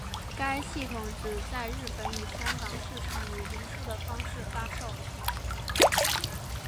该系统只在日本与香港市场以零售的方式发售。